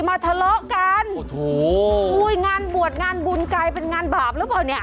ทะเลาะกันโอ้โหอุ้ยงานบวชงานบุญกลายเป็นงานบาปหรือเปล่าเนี่ย